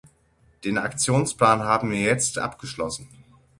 Den Aktionsplan haben wir jetzt abgeschlossen.